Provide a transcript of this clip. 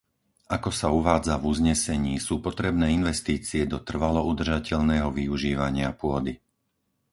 Ako sa uvádza v uznesení, sú potrebné investície do trvalo udržateľného využívania pôdy.